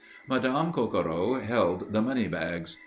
Madame Coquereau held the money bags.